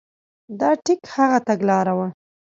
دا ټیک هغه تګلاره وه.